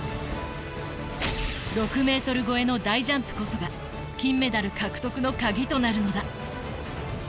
６ｍ超えの大ジャンプこそが金メダル獲得のカギとなるのだ。